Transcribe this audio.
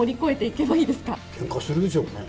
けんかするでしょうね。